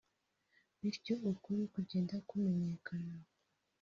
bityo ukuri kugenda kumenyekana